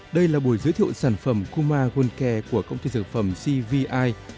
đây là buổi giới thiệu sản phẩm kuma gun care của công ty sửa phẩm cvi